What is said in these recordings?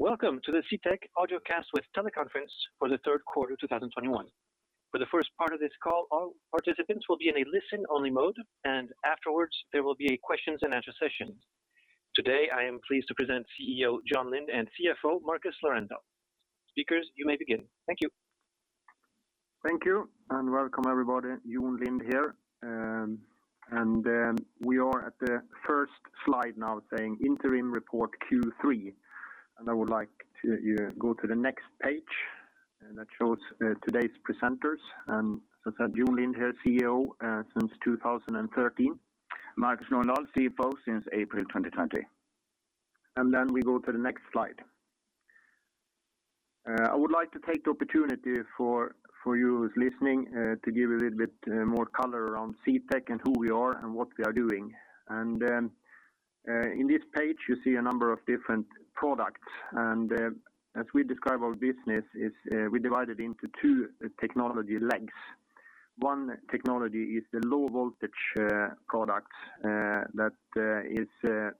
Welcome to the CTEK Audiocast with Teleconference for the Third Quarter 2021. For the first part of this call, all participants will be in a listen-only mode, and afterwards there will be a Question-and-Answer Session. Today I am pleased to present CEO Jon Lind and CFO Marcus Lorendal. Speakers, you may begin. Thank you. Thank you and welcome everybody. Jon Lind here. We are at the first slide now saying interim report Q3. I would like to go to the next page and that shows today's presenters. As I said, Jon Lind here, CEO since 2013. Marcus Lorendal, CFO since April 2020. We go to the next slide. I would like to take the opportunity for you who's listening to give a little bit more color around CTEK and who we are and what we are doing. In this page you see a number of different products. As we describe our business is we divide it into two technology legs. One technology is the low voltage products that is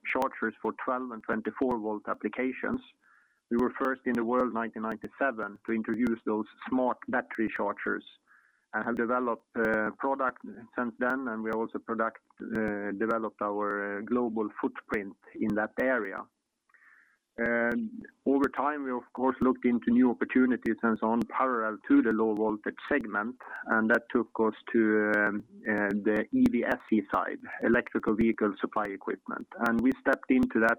chargers for 12 and 24 volt applications. We were first in the world in 1997 to introduce those smart battery chargers and have developed product since then. We also developed our global footprint in that area. Over time, we of course looked into new opportunities and so on parallel to the low voltage segment. That took us to the EVSE side, electric vehicle supply equipment. We stepped into that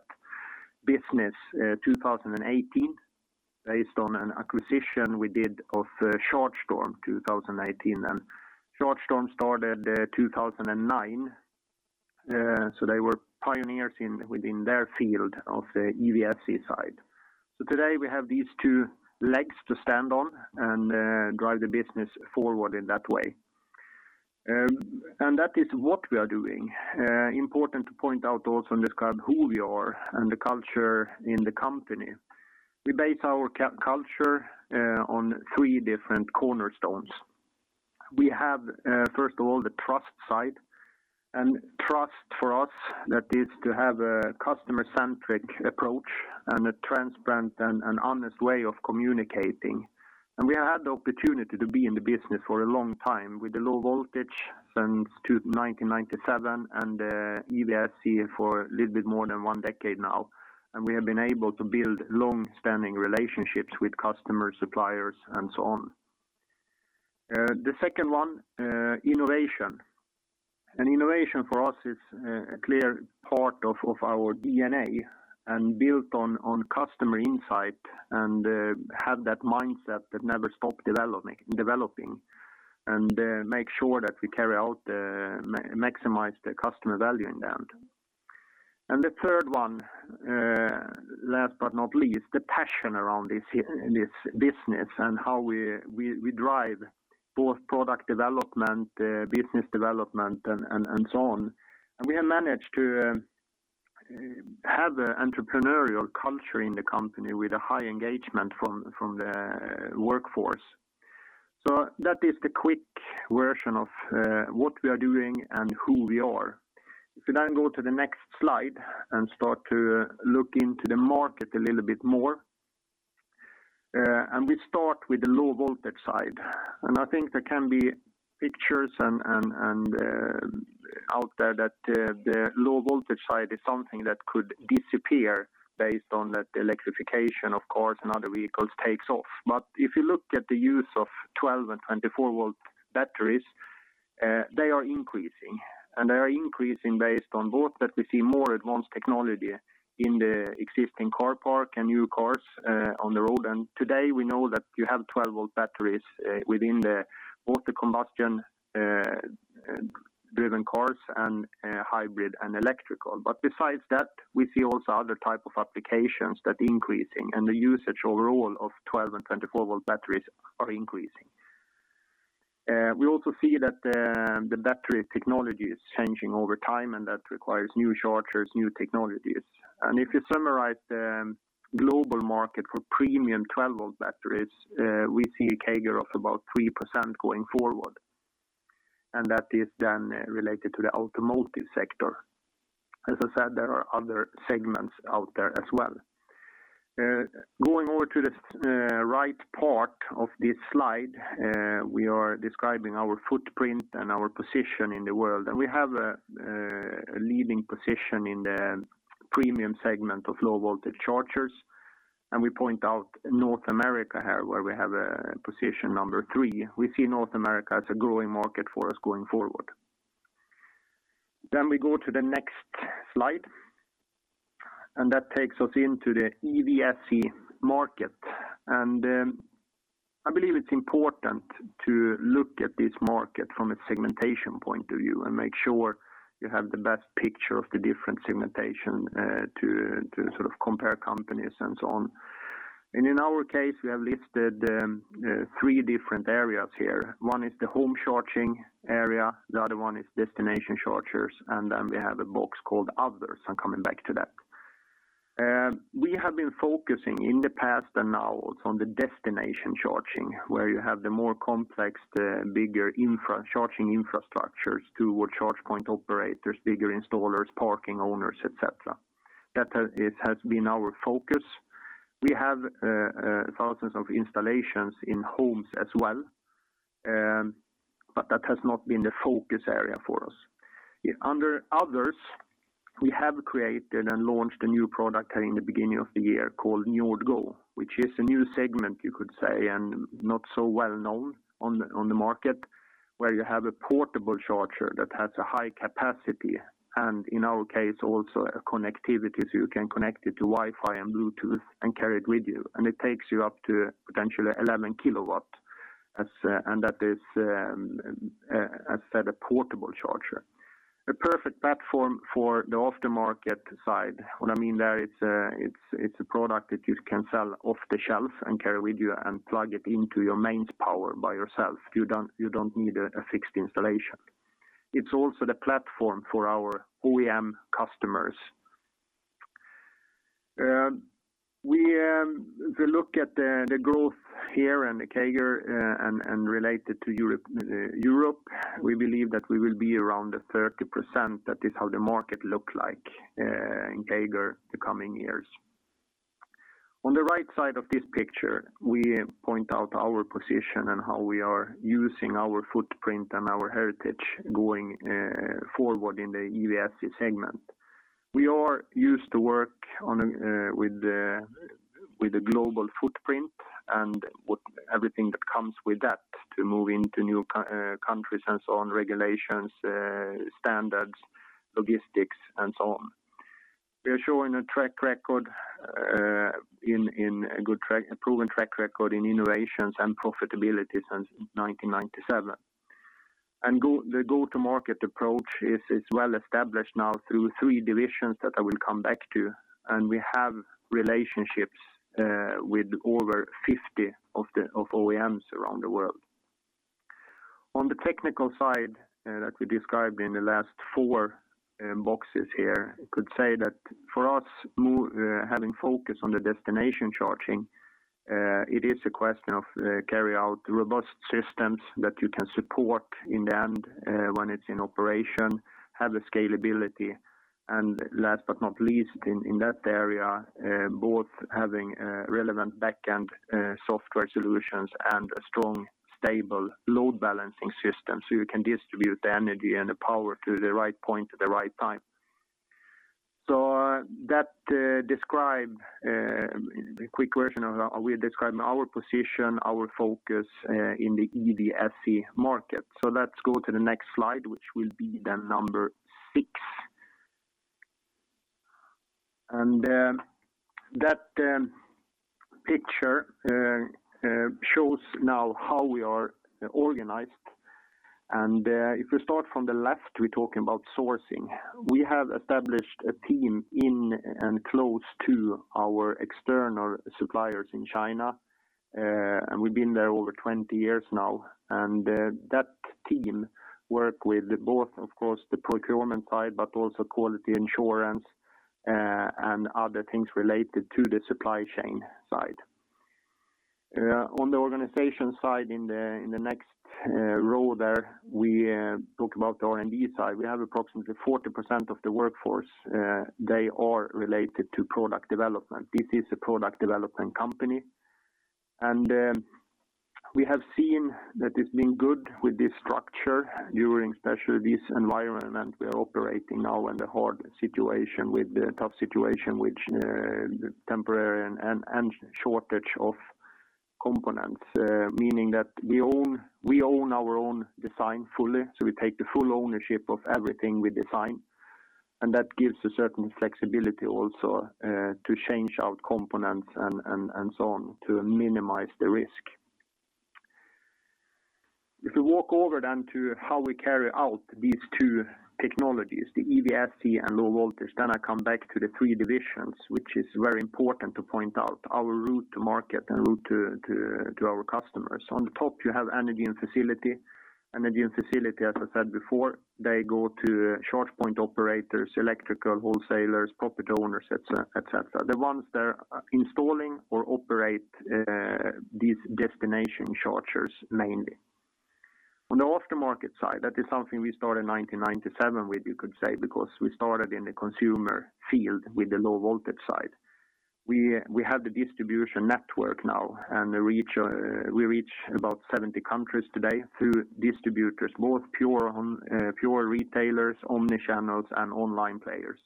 business in 2018 based on an acquisition we did of Chargestorm in 2018. Chargestorm started in 2009. They were pioneers within their field of the EVSE side. Today we have these two legs to stand on and drive the business forward in that way. That is what we are doing. Important to point out also and describe who we are and the culture in the company. We base our culture on three different cornerstones. We have first of all, the trust side, and trust for us that is to have a customer-centric approach and a transparent and honest way of communicating. We have had the opportunity to be in the business for a long time with the low voltage since 1997 and EVSE for a little bit more than one decade now. We have been able to build long-standing relationships with customers, suppliers and so on. The second one, innovation. Innovation for us is a clear part of our DNA and built on customer insight and have that mindset that never stop developing, and make sure that we carry out maximize the customer value in the end. The third one, last but not least, the passion around this business and how we drive both product development, business development and so on. We have managed to have an entrepreneurial culture in the company with a high engagement from the workforce. That is the quick version of what we are doing and who we are. If you then go to the next slide and start to look into the market a little bit more. We start with the low voltage side, and I think there can be pictures out there that the low voltage side is something that could disappear based on that electrification of course, and other vehicles takes off. But if you look at the use of 12- and 24-volt batteries, they are increasing. They are increasing based on both that we see more advanced technology in the existing car park and new cars on the road. Today we know that you have 12-volt batteries within both the combustion-driven cars and hybrid and electrical. Besides that, we see also other type of applications that increasing and the usage overall of 12- and 24-volt batteries are increasing. We also see that the battery technology is changing over time, and that requires new chargers, new technologies. If you summarize the global market for premium 12-volt batteries, we see a CAGR of about 3% going forward, and that is then related to the automotive sector. As I said, there are other segments out there as well. Going over to the right part of this slide, we are describing our footprint and our position in the world. We have a leading position in the premium segment of low-voltage chargers. We point out North America here where we have a position number three. We see North America as a growing market for us going forward. We go to the next slide and that takes us into the EVSE market. I believe it's important to look at this market from a segmentation point of view and make sure you have the best picture of the different segmentation to sort of compare companies and so on. In our case, we have listed three different areas here. One is the home charging area, the other one is destination chargers, and then we have a box called others. I'm coming back to that. We have been focusing in the past and now also on the destination charging, where you have the more complex, the bigger infrastructure charging infrastructures toward charge point operators, bigger installers, parking owners, et cetera. That has been our focus. We have thousands of installations in homes as well. That has not been the focus area for us. Under others, we have created and launched a new product in the beginning of the year called NJORD GO, which is a new segment you could say, and not so well known on the market, where you have a portable charger that has a high capacity, and in our case, also a connectivity, so you can connect it to Wi-Fi and Bluetooth and carry it with you. It takes you up to potentially 11 kW. That's, as said, a portable charger. A perfect platform for the aftermarket side. What I mean there, it's a product that you can sell off the shelf and carry with you and plug it into your mains power by yourself. You don't need a fixed installation. It's also the platform for our OEM customers. If you look at the growth here and the CAGR and related to Europe, we believe that we will be around the 30%. That is how the market look like in CAGR the coming years. On the right side of this picture, we point out our position and how we are using our footprint and our heritage going forward in the EVSE segment. We are used to work with a global footprint and with everything that comes with that to move into new countries and so on, regulations, standards, logistics and so on. We are showing a proven track record in innovations and profitability since 1997. Now, the go-to-market approach is well established now through three divisions that I will come back to, and we have relationships with over 50 of the OEMs around the world. On the technical side that we described in the last four boxes here, could say that for us, having focus on the destination charging, it is a question of carry out robust systems that you can support in the end when it's in operation, have the scalability, and last but not least in that area, both having relevant back-end software solutions and a strong, stable load balancing system, so you can distribute the energy and the power to the right point at the right time. To describe the quick version of how we are describing our position, our focus, in the EVSE market. Let's go to the next slide, which will be the number six. That picture shows now how we are organized. If we start from the left, we're talking about sourcing. We have established a team in and close to our external suppliers in China, and we've been there over 20 years now. That team work with both, of course, the procurement side, but also quality assurance, and other things related to the supply chain side. On the organization side in the next row there, we talk about the R&D side. We have approximately 40% of the workforce, they are related to product development. This is a product development company. We have seen that it's been good with this structure during especially this environment we are operating now in the hard situation with the tough situation which the temporary and shortage of components, meaning that we own our own design fully. We take the full ownership of everything we design, and that gives a certain flexibility also to change out components and so on to minimize the risk. If you walk over then to how we carry out these two technologies, the EVSE and low voltage, then I come back to the three divisions, which is very important to point out our route to market and route to our customers. On the top, you have Energy and Facilities. Energy and Facilities, as I said before, they go to charge point operators, electrical wholesalers, property owners, et cetera. The ones that are installing or operate these destination chargers mainly. On the aftermarket side, that is something we started in 1997 with, you could say, because we started in the consumer field with the low voltage side. We have the distribution network now and reach, we reach about 70 countries today through distributors, both pure retailers, omnichannels, and online players.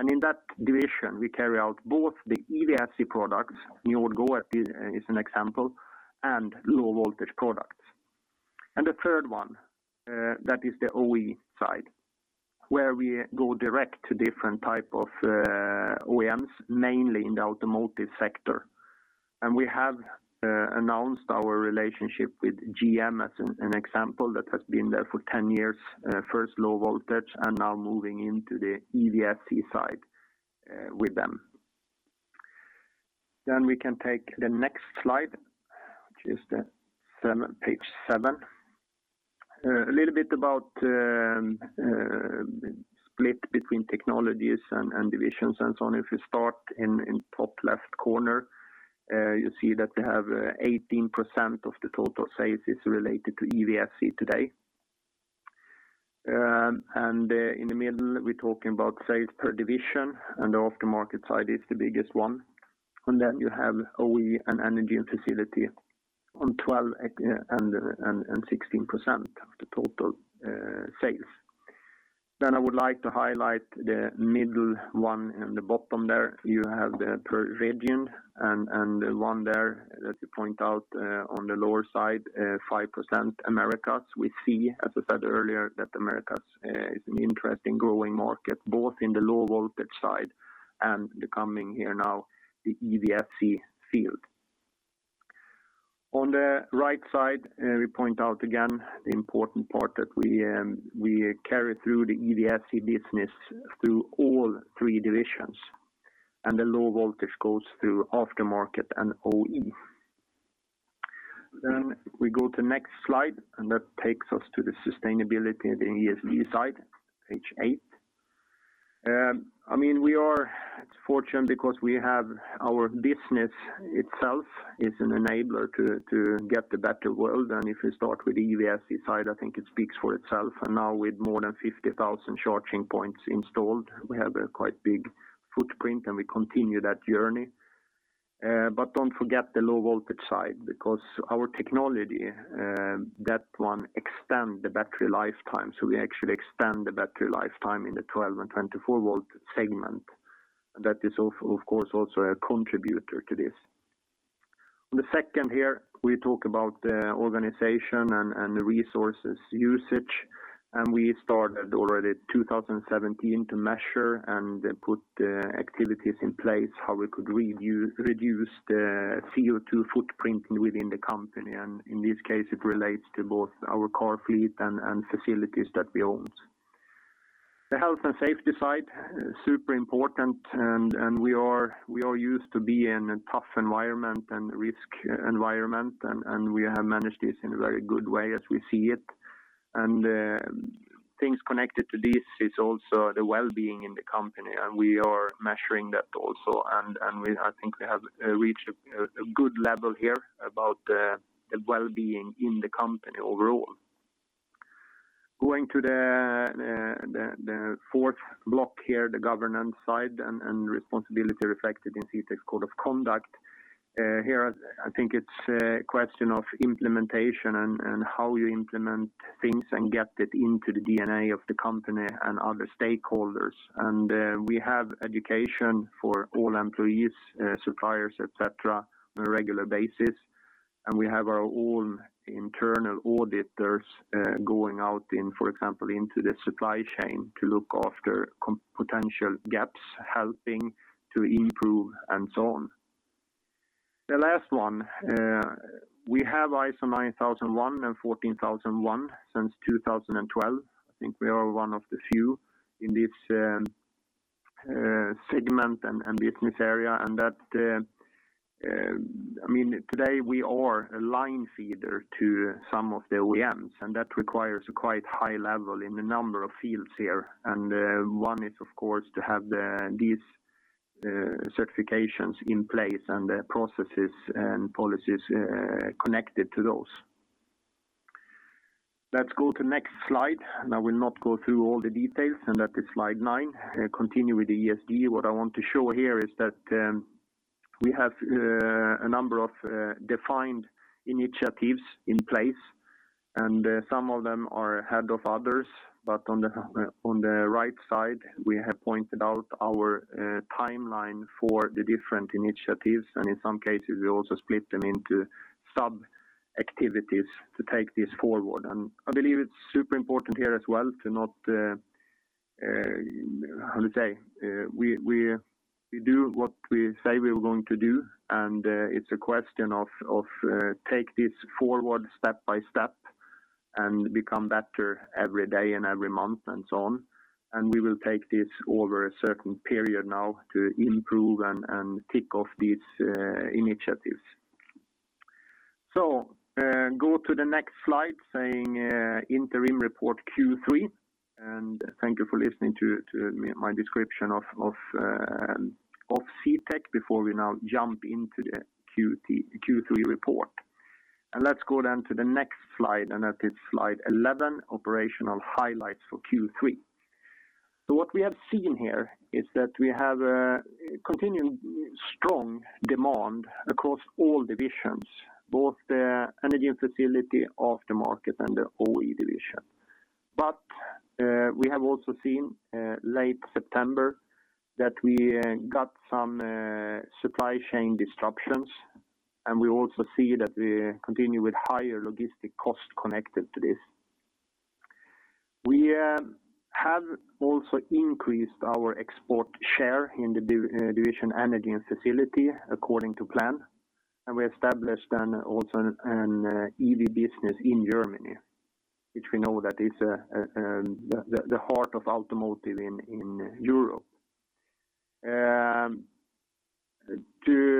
In that division, we carry out both the EVSE products, NJORD GO is an example, and low voltage products. The third one, that is the OE side, where we go direct to different type of OEMs, mainly in the automotive sector. We have announced our relationship with GM as an example that has been there for 10 years, first low voltage and now moving into the EVSE side, with them. We can take the next slide, which is the seven, page seven. A little bit about split between technologies and divisions and so on. If you start in top left corner, you see that they have 18% of the total sales is related to EVSE today. In the middle, we're talking about sales per division, and the aftermarket side is the biggest one. You have OE and E&F at 12% and 16% of the total sales. I would like to highlight the middle one in the bottom there. You have the per region and the one there that you point out on the lower side 5% Americas. We see, as I said earlier, that Americas is an interesting growing market, both in the low voltage side and the coming here now, the EVSE field. On the right side we point out again the important part that we carry through the EVSE business through all three divisions, and the low voltage goes through aftermarket and OE. We go to next slide, and that takes us to the sustainability, the ESG side, page eight. I mean, we are fortunate because we have our business itself is an enabler to get the better world. If we start with the EVSE side, I think it speaks for itself. Now with more than 50,000 charging points installed, we have a quite big footprint, and we continue that journey. But don't forget the low voltage side because our technology, that one extend the battery lifetime. So we actually extend the battery lifetime in the 12 and 24 volt segment. That is of course also a contributor to this. The second here, we talk about the organization and the resources usage. We started already 2017 to measure and put activities in place, how we could reduce the CO2 footprint within the company. In this case, it relates to both our car fleet and facilities that we own. The health and safety side, super important. We are used to be in a tough environment and risk environment, and we have managed this in a very good way as we see it. Things connected to this is also the well-being in the company, and we are measuring that also. I think we have reached a good level here about the well-being in the company overall. Going to the fourth block here, the governance side and responsibility reflected in CTEK's code of conduct. Here I think it's a question of implementation and how you implement things and get it into the DNA of the company and other stakeholders. We have education for all employees, suppliers, et cetera, on a regular basis. We have our own internal auditors going out, for example, into the supply chain to look after potential gaps, helping to improve and so on. The last one, we have ISO 9001 and ISO 14001 since 2012. I think we are one of the few in this segment and business area. That, I mean, today we are a line feeder to some of the OEMs, and that requires a quite high level in a number of fields here. One is of course to have these certifications in place and the processes and policies connected to those. Let's go to next slide, and I will not go through all the details, and that is slide nine. Continue with the ESG. What I want to show here is that we have a number of defined initiatives in place, and some of them are ahead of others. On the right side, we have pointed out our timeline for the different initiatives, and in some cases, we also split them into sub-activities to take this forward. I believe it's super important here as well, we do what we say we are going to do. It's a question of take this forward step by step and become better every day and every month and so on. We will take this over a certain period now to improve and tick off these initiatives. Go to the next slide saying Interim Report Q3. Thank you for listening to me, my description of CTEK before we now jump into the Q3 report. Let's go then to the next slide, and that is slide 11, operational highlights for Q3. What we have seen here is that we have a continuing strong demand across all divisions, both the Energy and Facilities, aftermarket, and the OE division. We have also seen in late September that we got some supply chain disruptions. We also see that we continue with higher logistic costs connected to this. We have also increased our export share in the division Energy and Facilities according to plan. We also established an EV business in Germany, which we know that is the heart of automotive in Europe.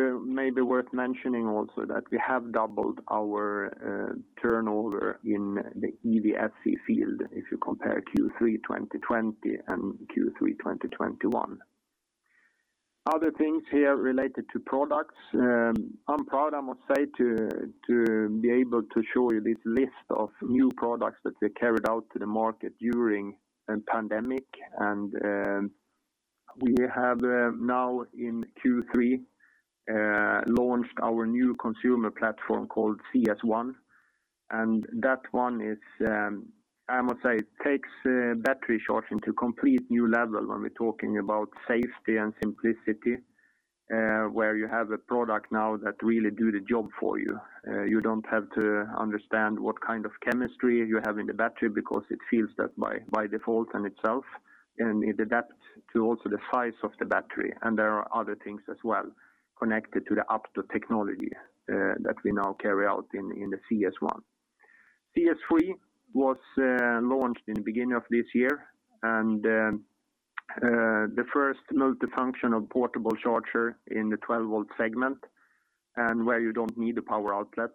May be worth mentioning also that we have doubled our turnover in the EVSE field if you compare Q3 2020 and Q3 2021. Other things here related to products. I'm proud, I must say, to be able to show you this list of new products that we carried out to the market during a pandemic. We have now in Q3 launched our new consumer platform called CS ONE. That one is, I must say, takes battery charging to complete new level when we're talking about safety and simplicity, where you have a product now that really do the job for you. You don't have to understand what kind of chemistry you have in the battery because it feels that by default in itself, and it adapts to also the size of the battery. There are other things as well connected to the APTO technology that we now carry out in the CS ONE. CS FREE was launched in the beginning of this year and the first multifunctional portable charger in the 12-volt segment and where you don't need a power outlet.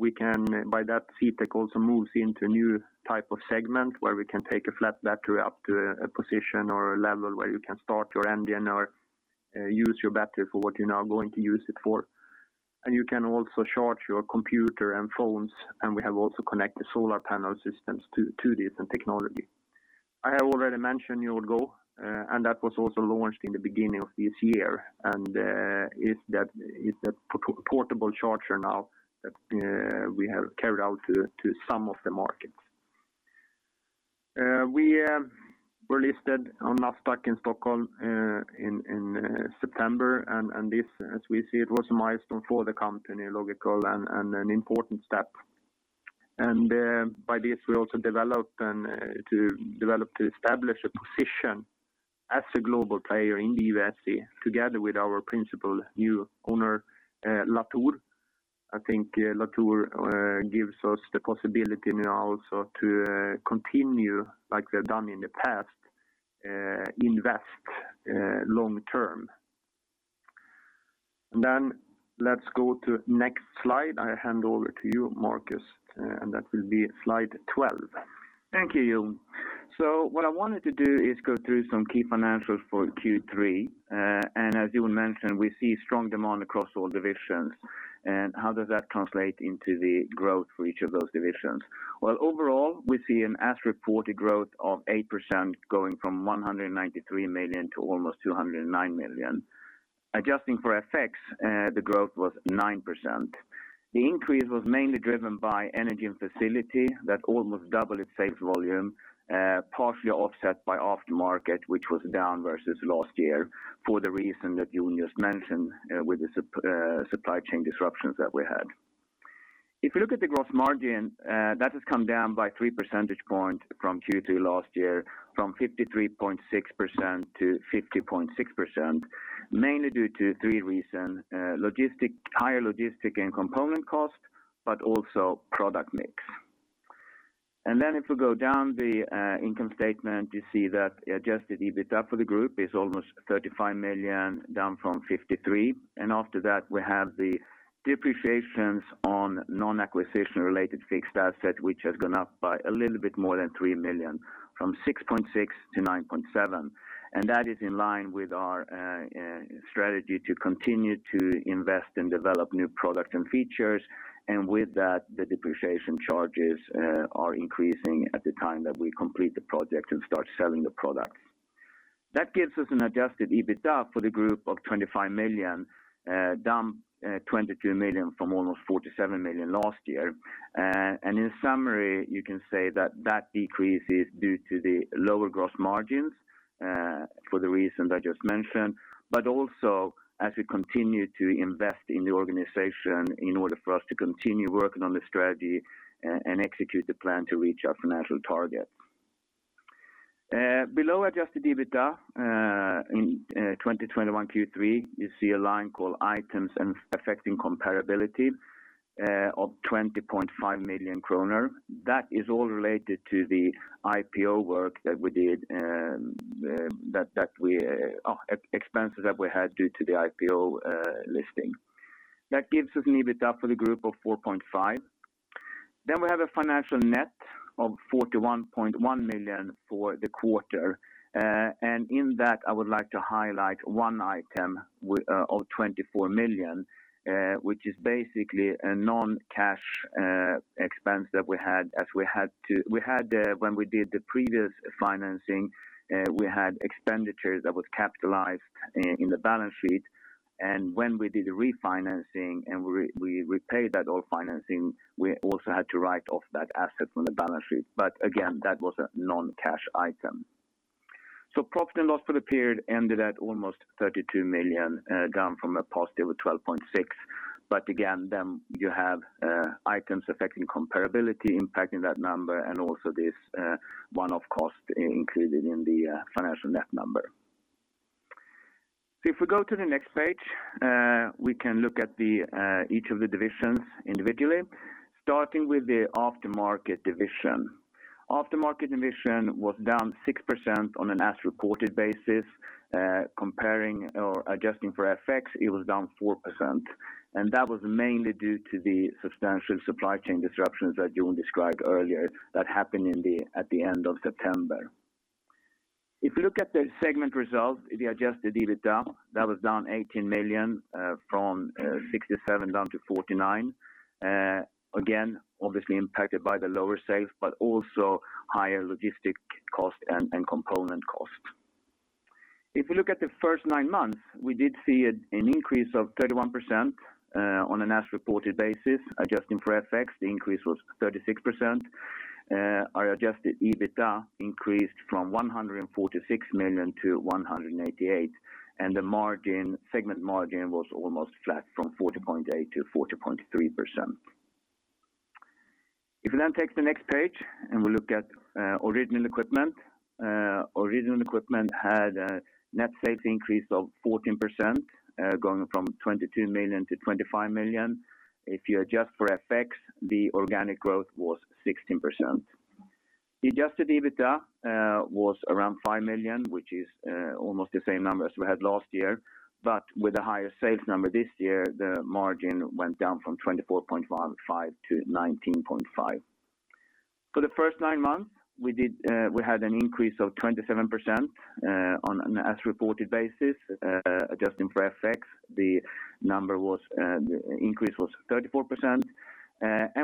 We can by that CTEK also moves into a new type of segment where we can take a flat battery up to a position or a level where you can start your engine or use your battery for what you're now going to use it for. You can also charge your computer and phones, and we have also connected solar panel systems to this technology. I have already mentioned NJORD GO, and that was also launched in the beginning of this year and is a portable charger now that we have rolled out to some of the markets. We were listed on Nasdaq Stockholm in September. This, as we see, it was a milestone for the company, a logical and an important step. By this, we also developed and to develop to establish a position as a global player in the EV space together with our principal new owner, Latour. I think Latour gives us the possibility now also to continue like we have done in the past, invest long term. Let's go to next slide. I hand over to you, Marcus, and that will be slide 12. Thank you, Jon. What I wanted to do is go through some key financials for Q3. As Jon mentioned, we see strong demand across all divisions. How does that translate into the growth for each of those divisions? Well, overall, we see an as-reported growth of 8% going from 193 million to almost 209 million. Adjusting for effects, the growth was 9%. The increase was mainly driven by Energy & Facilities that almost doubled its sales volume, partially offset by aftermarket, which was down versus last year for the reason that Jon just mentioned, with the supply chain disruptions that we had. If you look at the gross margin, that has come down by 3 percentage points from Q2 last year from 53.6% to 50.6%, mainly due to three reasons, higher logistics and component cost, but also product mix. Then if we go down the income statement, you see that adjusted EBITDA for the group is almost 35 million, down from 53 million. After that, we have the depreciations on non-acquisition related fixed asset, which has gone up by a little bit more than 3 million from 6.6 million to 9.7 million. That is in line with our strategy to continue to invest and develop new products and features. With that, the depreciation charges are increasing at the time that we complete the project and start selling the product. That gives us an adjusted EBITDA for the group of 25 million, down 22 million from almost 47 million last year. In summary, you can say that that decrease is due to the lower gross margins for the reasons I just mentioned, but also as we continue to invest in the organization in order for us to continue working on the strategy and execute the plan to reach our financial targets. Below adjusted EBITDA in 2021 Q3, you see a line called items affecting comparability of 20.5 million kronor. That is all related to the IPO work that we did, expenses that we had due to the IPO listing. That gives us an EBITDA for the group of 4.5 million. We have a financial net of 41.1 million for the quarter. In that, I would like to highlight one item of 24 million, which is basically a non-cash expense that we had when we did the previous financing, we had expenditures that was capitalized in the balance sheet. When we did the refinancing and we paid off all financing, we also had to write off that asset from the balance sheet. Again, that was a non-cash item. Profit and loss for the period ended at almost 32 million, down from a positive 12.6 million. Again, you have items affecting comparability impacting that number and also this one-off cost included in the financial net number. If we go to the next page, we can look at each of the divisions individually, starting with the Aftermarket Division. Aftermarket Division was down 6% on an as-reported basis. Comparing or adjusting for effects, it was down 4%. That was mainly due to the substantial supply chain disruptions that Jon described earlier that happened at the end of September. If you look at the segment results, the adjusted EBITDA, that was down 18 million from 67 down to 49. Again, obviously impacted by the lower sales, but also higher logistics costs and component costs. If we look at the first nine months, we did see an increase of 31% on an as-reported basis. Adjusting for FX, the increase was 36%. Our adjusted EBITDA increased from 146 million to 188 million, and the margin, segment margin was almost flat from 40.8% to 40.3%. If we then take the next page and we look at original equipment. Original equipment had a net sales increase of 14%, going from 22 million to 25 million. If you adjust for FX, the organic growth was 16%. The adjusted EBITDA was around 5 million, which is almost the same number as we had last year. But with a higher sales number this year, the margin went down from 24.15% to 19.5%. For the first nine months, we had an increase of 27%, on an as-reported basis. Adjusting for FX, the increase was 34%.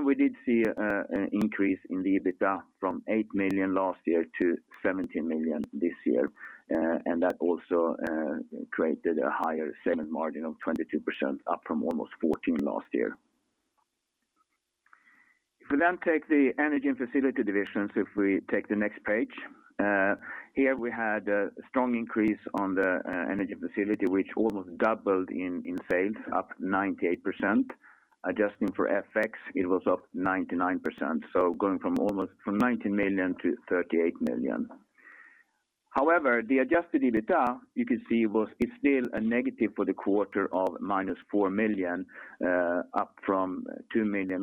We did see an increase in the EBITDA from 8 million last year to 17 million this year. That also created a higher segment margin of 22% up from almost 14% last year. If we take the Energy and Facilities divisions, take the next page. Here, we had a strong increase in the Energy and Facilities, which almost doubled in sales, up 98%. Adjusting for FX, it was up 99%, so going from almost 19 million to 38 million. However, the adjusted EBITDA you can see is still a negative for the quarter of -4 million, up from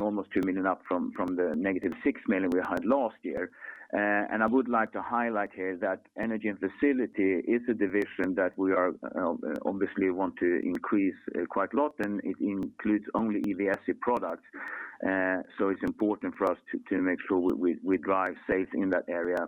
almost 2 million from the -6 million we had last year. I would like to highlight here that Energy & Facilities is a division that we are obviously want to increase quite a lot, and it includes only EVSE products. It's important for us to make sure we drive safe in that area.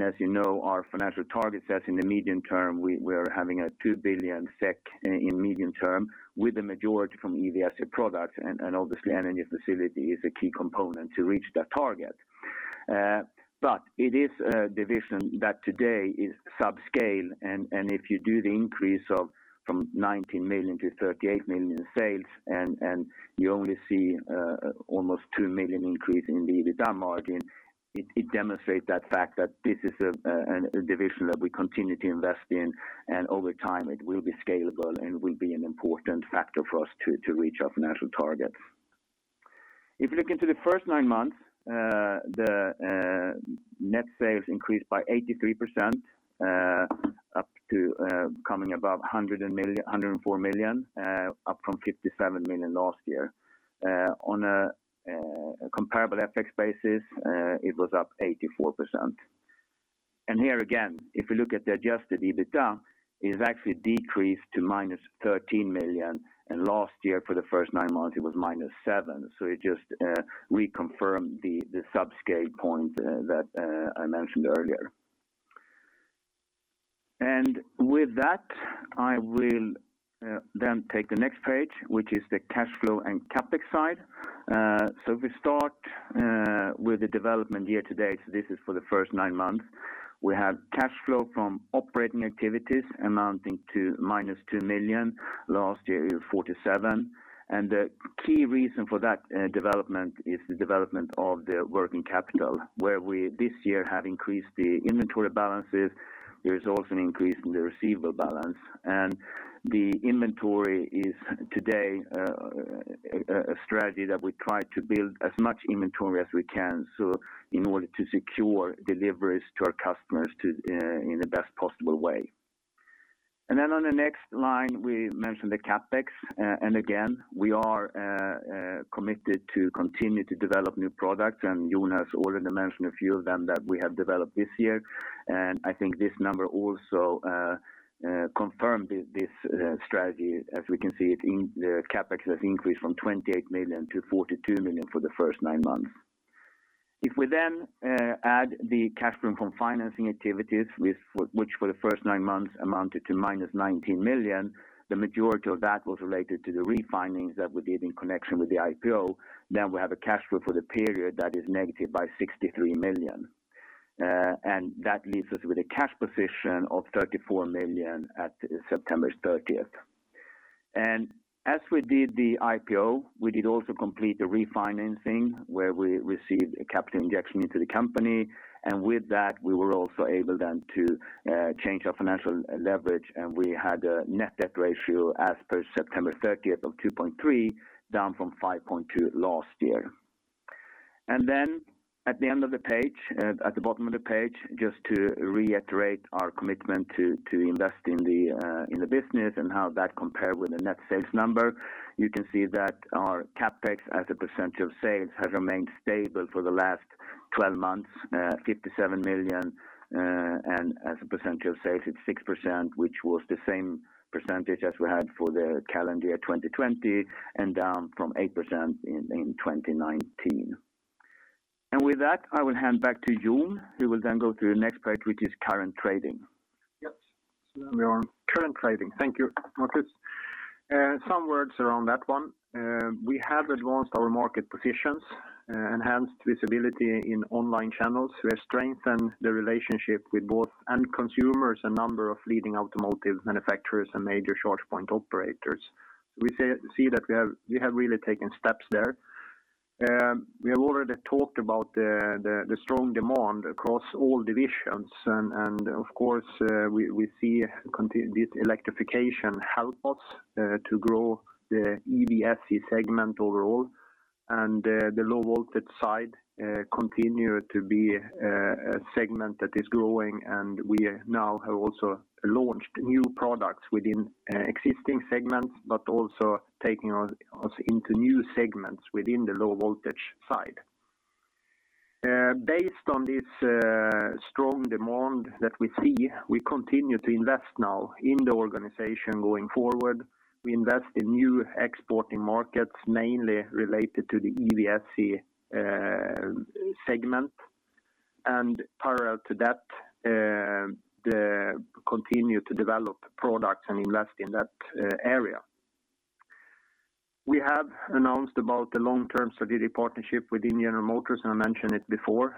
As you know, our financial target sets in the medium term, we're having a 2 billion SEK in medium term with the majority from EVSE products and obviously Energy & Facilities is a key component to reach that target. It is a division that today is subscale and if you do the increase from 19 million to 38 million in sales and you only see almost 2 million increase in the EBITDA margin, it demonstrates that fact that this is a division that we continue to invest in, and over time, it will be scalable and will be an important factor for us to reach our financial targets. If you look into the first nine months, the net sales increased by 83%, up to coming above 100 million, 104 million, up from 57 million last year. On a comparable FX basis, it was up 84%. Here again, if we look at the adjusted EBITDA, it has actually decreased to -13 million, and last year for the first nine months, it was -7 million. It just reconfirmed the subscale point that I mentioned earlier. With that, I will then take the next page, which is the cash flow and CapEx side. If we start with the development year to date, this is for the first nine months. We have cash flow from operating activities amounting to -2 million. Last year, it was 47. The key reason for that development is the development of the working capital, where we this year have increased the inventory balances. There is also an increase in the receivable balance. The inventory is today a strategy that we try to build as much inventory as we can, so in order to secure deliveries to our customers to in the best possible way. On the next line, we mention the CapEx. Again, we are committed to continue to develop new products, and Jon already mentioned a few of them that we have developed this year. I think this number also confirmed this strategy. As we can see, the CapEx has increased from 28 million to 42 million for the first nine months. If we then add the cash from financing activities which for the first nine months amounted to -19 million, the majority of that was related to the refinancings that we did in connection with the IPO. We have a cash flow for the period that is negative by 63 million. That leaves us with a cash position of 34 million at 30 September. As we did the IPO, we did also complete the refinancing where we received a capital injection into the company. With that, we were also able then to change our financial leverage, and we had a net debt ratio as per 30 September of 2.3, down from 5.2 last year. At the end of the page, at the bottom of the page, just to reiterate our commitment to invest in the business and how that compare with the net sales number, you can see that our CapEx as a percentage of sales has remained stable for the last 12 months, 57 million. As a percentage of sales, it's 6%, which was the same percentage as we had for the calendar year 2020, and down from 8% in 2019. With that, I will hand back to Jon, who will then go through the next page, which is current trading. Yes. We are on current trading. Thank you, Marcus. Some words around that one. We have advanced our market positions, enhanced visibility in online channels. We have strengthened the relationship with both end consumers, a number of leading automotive manufacturers and major charge point operators. We see that we have really taken steps there. We have already talked about the strong demand across all divisions and of course, we see this electrification help us to grow the EVSE segment overall. The low voltage side continue to be a segment that is growing, and we now have also launched new products within existing segments, but also taking us into new segments within the low voltage side. Based on this strong demand that we see, we continue to invest now in the organization going forward. We invest in new exporting markets, mainly related to the EVSE segment. Parallel to that, we continue to develop products and invest in that area. We have announced the long-term strategic partnership with General Motors, and I mentioned it before,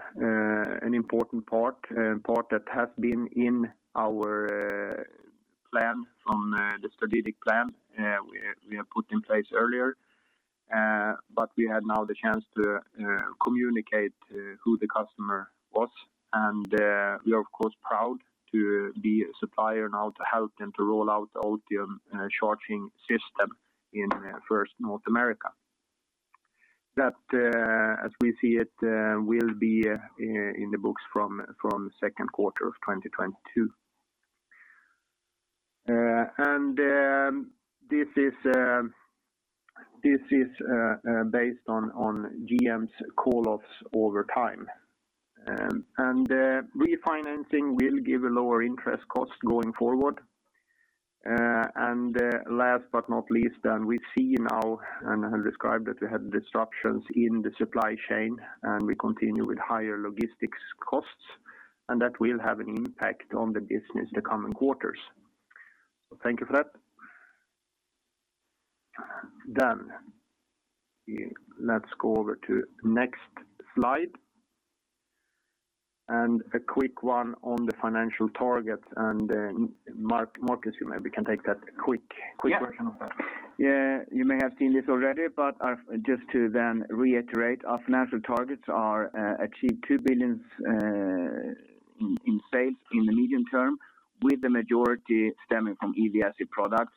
an important part that has been in our plan from the strategic plan we have put in place earlier. We had now the chance to communicate who the customer was, and we are of course proud to be a supplier now to help them to roll out the Ultium charging system in first North America. That, as we see it, will be in the books from second quarter of 2022. This is based on GM's call-offs over time. Refinancing will give a lower interest cost going forward. Last but not least, we see now and have described that we have disruptions in the supply chain, and we continue with higher logistics costs, and that will have an impact on the business the coming quarters. Thank you for that. Let's go over to next slide. A quick one on the financial targets, and Marcus, you maybe can take that quick version of that. Yeah. You may have seen this already, but just to then reiterate, our financial targets are achieve 2 billion in sales in the medium term, with the majority stemming from EVSE products.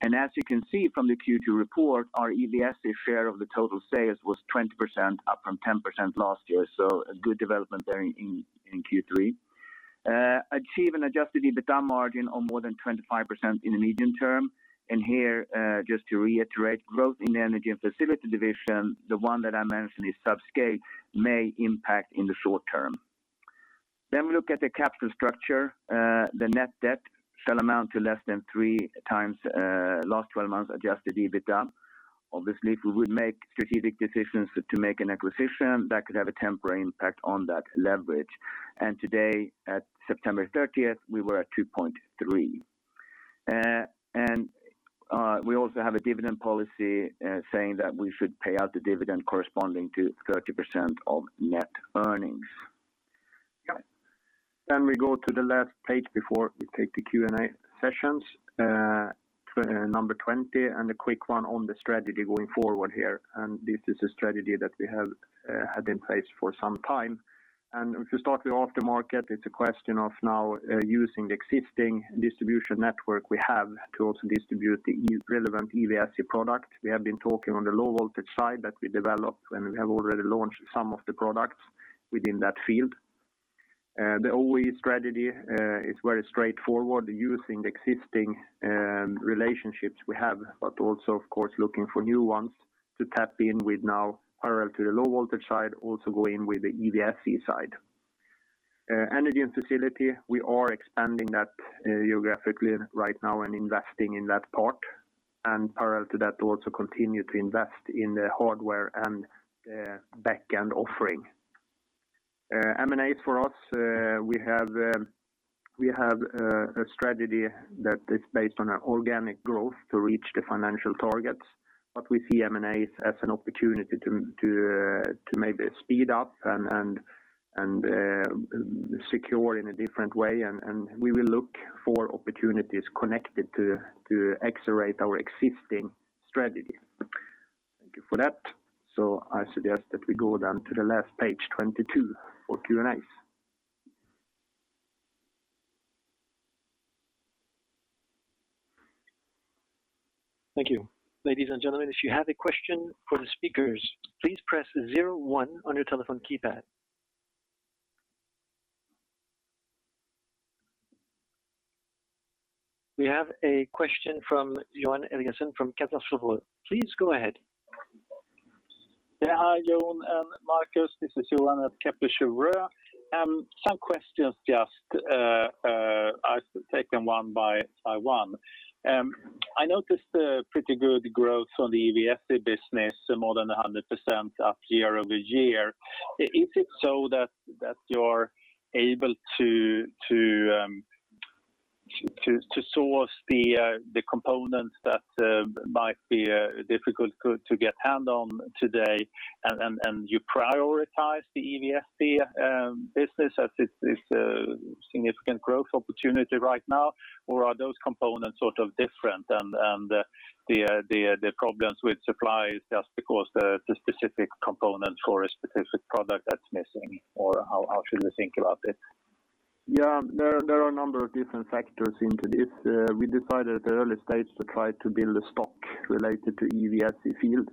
As you can see from the Q2 report, our EVSE share of the total sales was 20%, up from 10% last year. A good development there in Q3. Achieve an adjusted EBITDA margin of more than 25% in the medium term. Here, just to reiterate, growth in the Energy & Facilities division, the one that I mentioned is subscale, may impact in the short term. We look at the capital structure. The net debt shall amount to less than three times last 12 months adjusted EBITDA. Obviously, if we would make strategic decisions to make an acquisition, that could have a temporary impact on that leverage. Today, at 30 September, we were at 2.3. We also have a dividend policy saying that we should pay out the dividend corresponding to 30% of net earnings. Yeah. We go to the last page before we take the Q&A sessions, number 20, and a quick one on the strategy going forward here. This is a strategy that we have had in place for some time. If you start with aftermarket, it's a question of now using the existing distribution network we have to also distribute the relevant EVSE product. We have been talking on the low voltage side that we developed, and we have already launched some of the products within that field. The OE strategy is very straightforward, using the existing relationships we have, but also of course looking for new ones to tap in with now parallel to the low voltage side, also going with the EVSE side. Energy & Facilities, we are expanding that geographically right now and investing in that part. Parallel to that, also continue to invest in the hardware and backend offering. M&As for us, we have a strategy that is based on organic growth to reach the financial targets, but we see M&As as an opportunity to maybe speed up and secure in a different way. We will look for opportunities connected to accelerate our existing strategy. Thank you for that. I suggest that we go then to the last page, 22, for Q&As. Thank you. Ladies and gentlemen, if you have a question for the speakers, please press zero one on your telephone keypad. We have a question from Johan Eliason from Kepler Cheuvreux. Please go ahead. Yeah, hi, Jon and Marcus. This is Johan at Kepler Cheuvreux. Some questions just, I'll take them one by one. I noticed a pretty good growth on the EVSE business, more than 100% up year-over-year. Is it so that you're able to source the components that might be difficult to get hand on today and you prioritize the EVSE business as it's a significant growth opportunity right now or are those components sort of different and the problems with supply is just because the specific components for a specific product that's missing or how should we think about it? Yeah. There are a number of different factors into this. We decided at the early stage to try to build a stock related to EVSE field,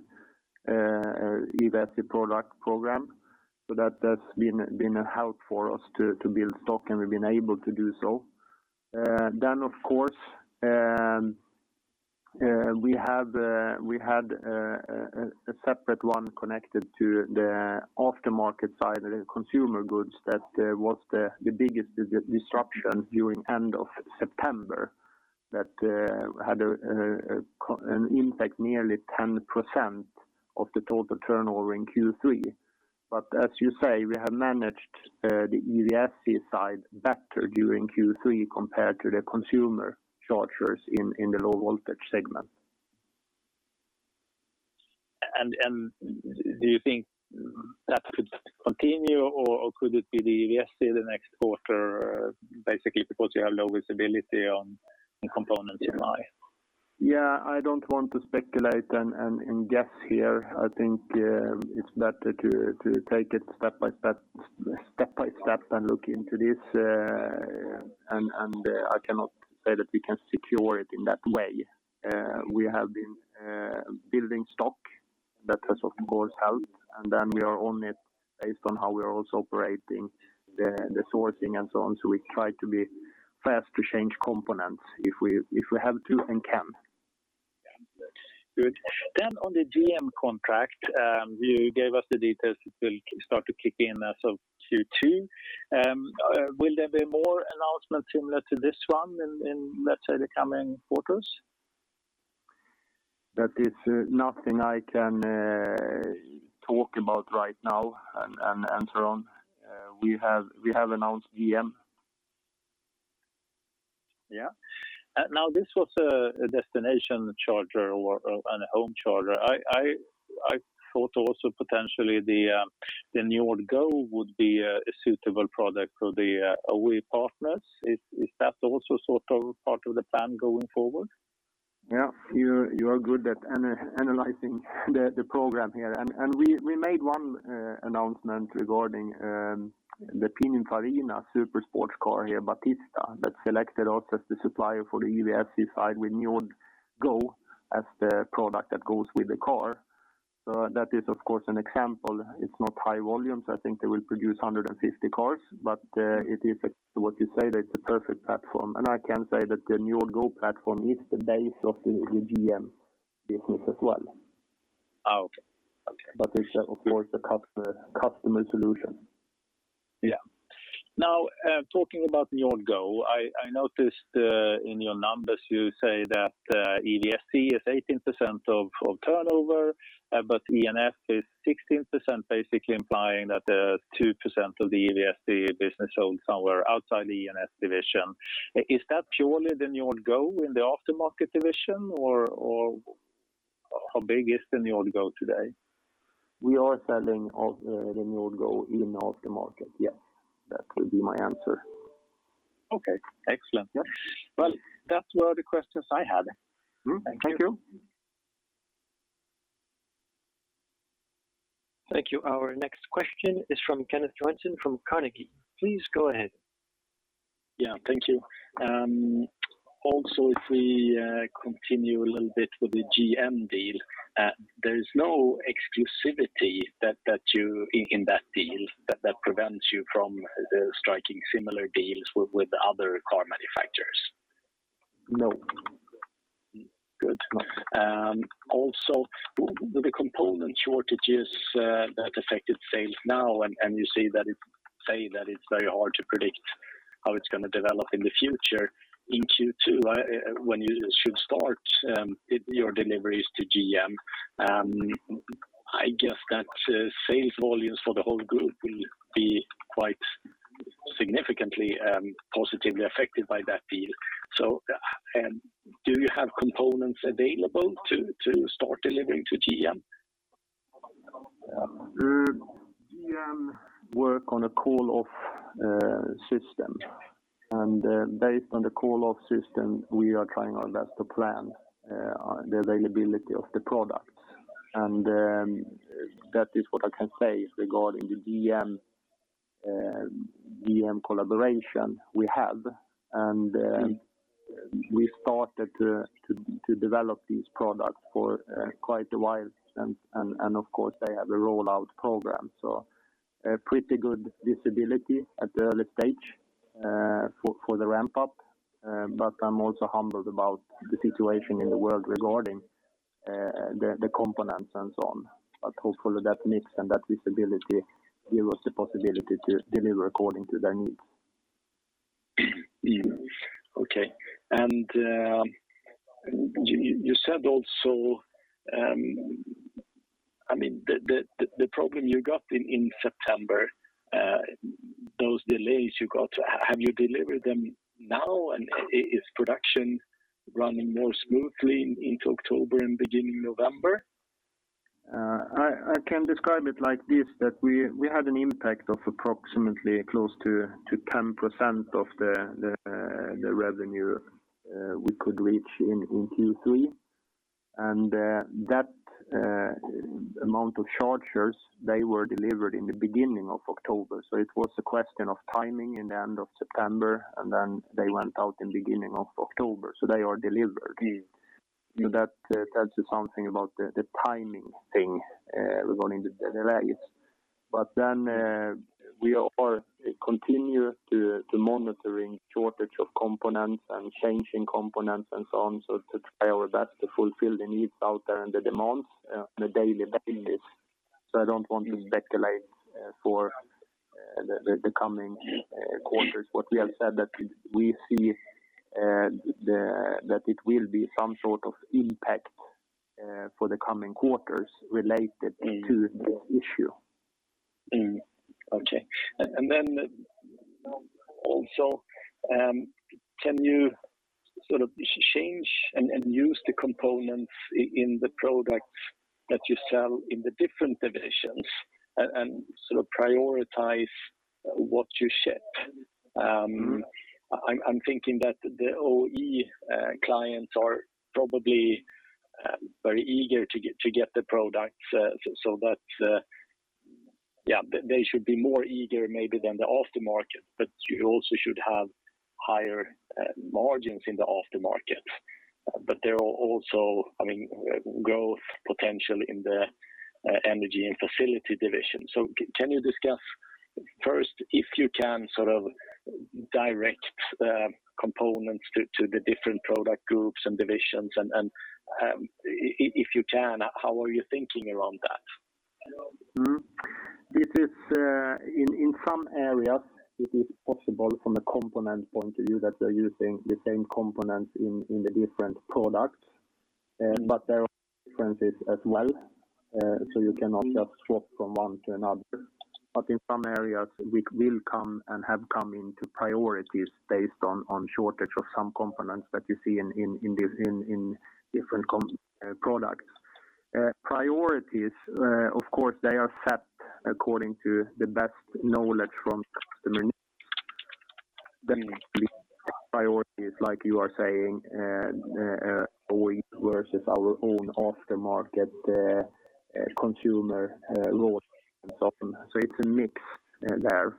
EVSE product program. That's been a help for us to build stock and we've been able to do so. Of course, we had a separate one connected to the aftermarket side of the consumer goods that was the biggest disruption during end of September that had an impact nearly 10% of the total turnover in Q3. As you say, we have managed the EVSE side better during Q3 compared to the consumer chargers in the low voltage segment. Do you think that could continue or could it be the EVSE the next quarter, basically because you have low visibility on the component supply? Yeah. I don't want to speculate and guess here. I think it's better to take it step by step and look into this. I cannot say that we can secure it in that way. We have been building stock that has of course helped, and then we are on it based on how we are also operating the sourcing and so on. We try to be fast to change components if we have to and can. Good. On the GM contract, you gave us the details it will start to kick in as of Q2. Will there be more announcements similar to this one in, let's say, the coming quarters? That is nothing I can talk about right now and answer on. We have announced GM. Yeah. Now this was a destination charger or a home charger. I thought also potentially the new NJORD GO would be a suitable product for the OE partners. Is that also sort of part of the plan going forward? Yeah. You're good at analyzing the program here. We made one announcement regarding the Pininfarina super sports car here, Battista, that selected us as the supplier for the EVSE side with NJORD GO as the product that goes with the car. That is of course an example. It's not high volumes. I think they will produce 150 cars. It is what you say, that it's a perfect platform. I can say that the NJORD GO platform is the base of the GM business as well. Oh, okay. Okay. It's of course a customer solution. Yeah. Now, talking about NJORD GO, I noticed in your numbers you say that EVSE is 18% of turnover, but E&F is 16% basically implying that 2% of the EVSE business sold somewhere outside the E&F division. Is that purely the NJORD GO in the aftermarket division or how big is the NJORD GO today? We are selling the NJORD GO in aftermarket. Yes. That will be my answer. Okay. Excellent. Yeah. Well, that were the questions I had. Mm-hmm. Thank you. Thank you. Thank you. Our next question is from Kenneth Johansson from Carnegie. Please go ahead. Yeah. Thank you. Also, if we continue a little bit with the GM deal, there is no exclusivity in that deal that prevents you from striking similar deals with other car manufacturers? No. Good. No. Also with the component shortages that affected sales now and you say that it's very hard to predict how it's gonna develop in the future in Q2, when you should start your deliveries to GM, I guess that sales volumes for the whole group will be quite significantly positively affected by that deal. Do you have components available to start delivering to GM? GM, we work on a call-off system. Based on the call-off system, we are trying our best to plan the availability of the products. That is what I can say regarding the GM collaboration we have. We started to develop these products for quite a while and of course they have a rollout program. A pretty good visibility at the early stage for the ramp up. I'm also humbled about the situation in the world regarding the components and so on. Hopefully that mix and that visibility give us the possibility to deliver according to their needs. Okay. You said also, I mean, the problem you got in September, those delays you got, have you delivered them now? Is production running more smoothly into October and beginning November? I can describe it like this, that we had an impact of approximately close to 10% of the revenue we could reach in Q3. That amount of chargers, they were delivered in the beginning of October. It was a question of timing in the end of September, and then they went out in beginning of October. They are delivered. Mm-hmm. That tells you something about the timing thing regarding the delays. We continue to monitor the shortage of components and changing components and so on, so to try our best to fulfill the needs out there and the demands on a daily basis. I don't want to speculate for the coming quarters. What we have said that we see that it will be some sort of impact for the coming quarters related to this issue. Can you sort of change and use the components in the products that you sell in the different divisions and sort of prioritize what you ship? I'm thinking that the OE clients are probably very eager to get the products, so that they should be more eager maybe than the aftermarket, but you also should have higher margins in the aftermarket. There are also, I mean, growth potential in the Energy and Facilities division. Can you discuss first if you can sort of direct components to the different product groups and divisions and if you can, how are you thinking around that? Mm-hmm. This is in some areas. It is possible from a component point of view that they're using the same components in the different products. There are differences as well, so you cannot just swap from one to another. In some areas, we will come and have come into priorities based on shortage of some components that you see in different products. Priorities, of course, they are set according to the best knowledge from customer needs. The priorities like you are saying, OE versus our own aftermarket, consumer, road and so on. It's a mix there.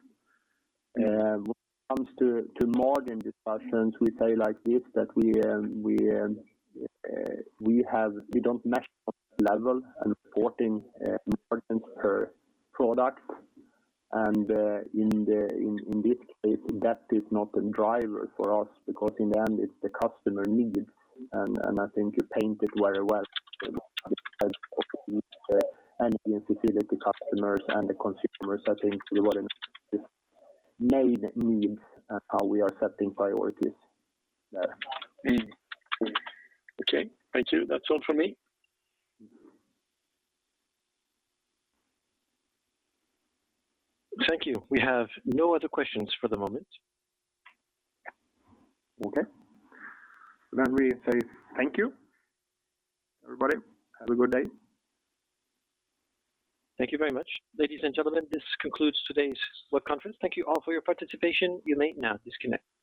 When it comes to margin discussions, we say like this, that we don't match level and supporting margins per product. In this case, that is not a driver for us because in the end, it's the customer needs. I think you put it very well, customers and the consumers. I think we want to main needs, how we are setting priorities there. Mm-hmm. Okay. Thank you. That's all for me. Thank you. We have no other questions for the moment. Okay. We say thank you, everybody. Have a good day. Thank you very much. Ladies and gentlemen, this concludes today's web conference. Thank you all for your participation. You may now disconnect.